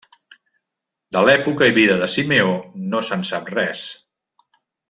De l'època i vida de Simeó no se'n sap res.